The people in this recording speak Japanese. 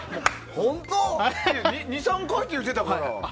２３回って言ってたから。